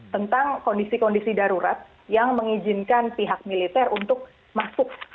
tentang kondisi kondisi darurat yang mengizinkan pihak militer untuk masuk